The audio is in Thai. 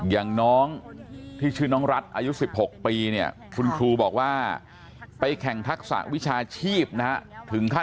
อย่างน้องที่ชื่อน้องรัฐอายุ๑๖ปีเนี่ยคุณครูบอกว่าไปแข่งทักษะวิชาชีพนะฮะถึงขั้น